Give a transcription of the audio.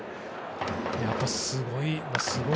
やっぱりすごい。